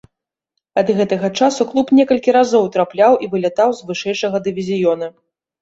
Ад гэтага часу клубе некалькі разоў трапляў і вылятаў з вышэйшага дывізіёна.